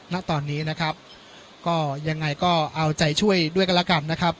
ณตอนนี้นะครับก็ยังไงก็เอาใจช่วยด้วยกันแล้วกันนะครับ